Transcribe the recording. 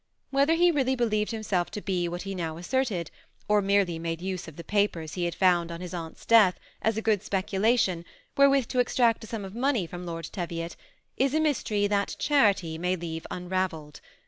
Whether he really believed himself to be what he now asserted, or merely made use of the papers he had found on his aunt's 840 THE Sisaa ATTACHED COUPLE. death as a good specalation wherewith to extract a sum of money from Lord Teviot, is a mystery that charity may leave unravelled.